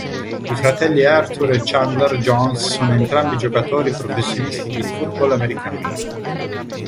I fratelli Arthur e Chandler Jones sono entrambi giocatori professionisti di football americano.